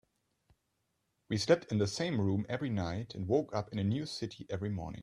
We slept in the same room every night and woke up in a new city every morning.